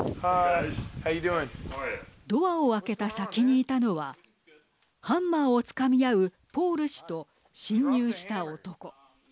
ドアを開けた先にいたのはハンマーをつかみ合うポール氏と侵入した男。